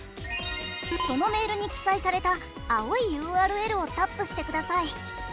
そのメールに記載された青いＵＲＬをタップしてください。